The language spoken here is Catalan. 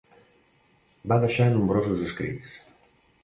Va deixar nombrosos escrits.